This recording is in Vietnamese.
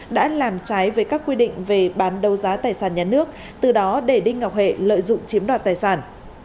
đã làm trái với các quy định về bán đấu giá tài sản nhà nước từ đó để đinh ngọc hệ lợi dụng chiếm đoạt tài sản